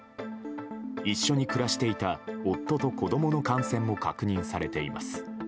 一緒に暮らしていた夫と子供の感染も確認されています。